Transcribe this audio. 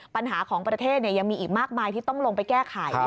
ปัญหาของประเทศยังมีอีกมากมายที่ต้องลงไปแก้ไข